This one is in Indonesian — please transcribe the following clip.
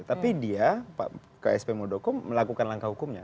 tapi dia pak ksp murdoko melakukan langkah hukumnya